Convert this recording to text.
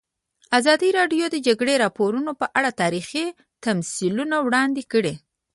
ازادي راډیو د د جګړې راپورونه په اړه تاریخي تمثیلونه وړاندې کړي.